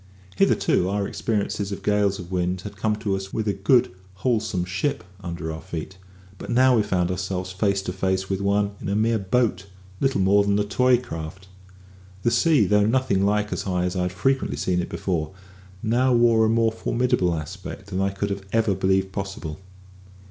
Hitherto, our experiences of gales of wind had come to us with a good, wholesome ship under our feet; but now we found ourselves face to face with one in a mere boat, little more than a toy craft. The sea, though nothing like as high as I had frequently seen it before, now wore a more formidable aspect than I could ever have believed possible.